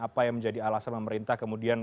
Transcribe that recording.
apa yang menjadi alasan pemerintah kemudian